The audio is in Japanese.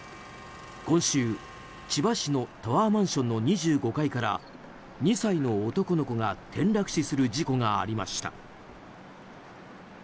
今週、千葉市のタワーマンションの２５階から２歳の男の子が転落死する事故がありました。